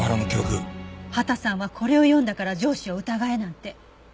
秦さんはこれを読んだから上司を疑えなんて。